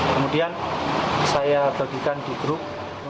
kemudian saya bagikan di grup